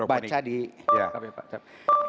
kami pasangan nomor tiga berkomitmen